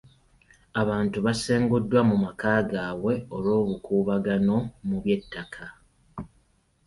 Abantu basenguddwa mu maka gaabwe olw'obukuubagano mu by'ettaka.